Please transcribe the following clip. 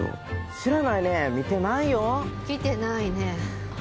知らないね見てないよ。来てないね。